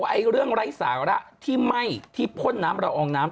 ไอ้เรื่องไร้สาระที่ไหม้ที่พ่นน้ำละอองน้ำ